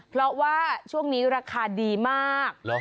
เพราะว่าช่วงนี้ราคาดีมาก